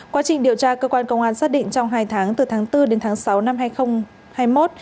quá trình điều tra cơ quan công an xác định trong hai tháng từ tháng bốn đến tháng sáu năm hai nghìn hai mươi một